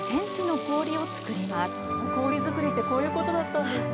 氷作りって、こういうことだったんですね。